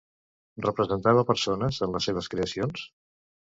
Representava persones en les seves creacions?